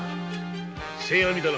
千阿弥だな。